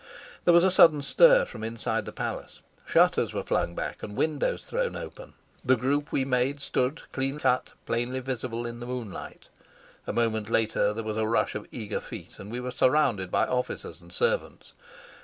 There was a sudden stir from inside the palace. Shutters were flung back and windows thrown open. The group we made stood clean cut, plainly visible in the moonlight. A moment later there was a rush of eager feet, and we were surrounded by officers and servants.